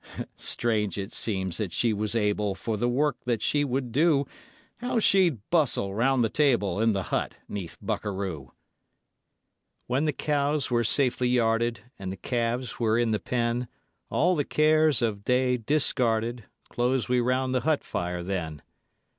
Strange it seems that she was able For the work that she would do; How she'd bustle round the table In the hut 'neath Bukaroo! When the cows were safely yarded, And the calves were in the pen, All the cares of day discarded, Closed we round the hut fire then.